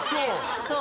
そう